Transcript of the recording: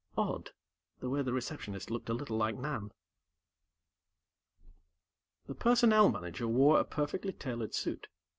Odd, the way the Receptionist looked a little like Nan. The Personnel Manager wore a perfectly tailored suit.